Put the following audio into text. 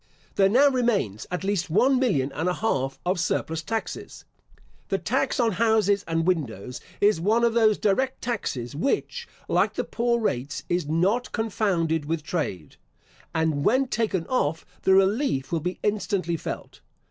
There now remains at least one million and a half of surplus taxes. The tax on houses and windows is one of those direct taxes, which, like the poor rates, is not confounded with trade; and, when taken off, the relief will be instantly felt.